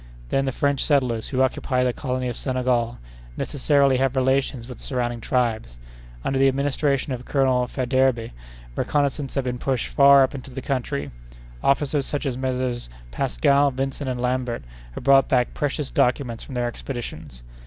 Then the French settlers, who occupy the colony of Senegal, necessarily have relations with the surrounding tribes. Under the administration of Colonel Faidherbe, reconnaissances have been pushed far up into the country. Officers such as Messrs. Pascal, Vincent, and Lambert, have brought back precious documents from their expeditions.